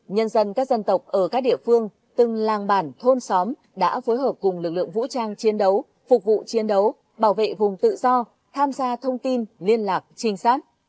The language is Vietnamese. nhân dân các dân tộc ở các địa phương từng làng bản thôn xóm đã phối hợp cùng lực lượng vũ trang chiến đấu phục vụ chiến đấu bảo vệ vùng tự do tham gia thông tin liên lạc trinh sát